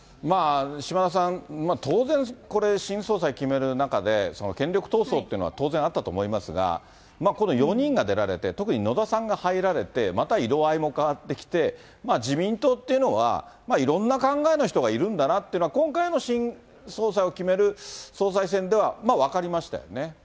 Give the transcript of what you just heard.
島田さん、当然これ、新総裁決める中で、権力闘争っていうのは当然あったと思いますが、この４人が出られて、特に野田さんが入られて、また色合いも変わってきて、まあ自民党っていうのは、いろんな考えの人がいるんだなっていうのは、今回の新総裁を決める総裁選では、分かりましたよね。